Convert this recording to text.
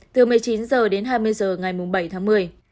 từ một mươi chín h đến hai mươi h ngày bảy tháng một mươi